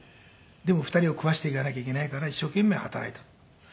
でも２人を食わせていかなきゃいけないから一生懸命働いた。